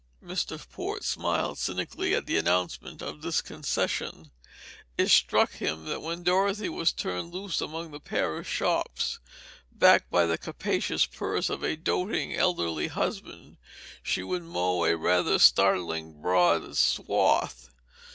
Mr. Port smiled cynically at the announcement of this concession. It struck him that when Dorothy was turned loose among the Paris shops, backed by the capacious purse of a doting elderly husband, she would mow a rather startlingly broad swath.